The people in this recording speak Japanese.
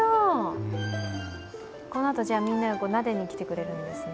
このあと、じゃ、みんながなでに来てくれるんですね。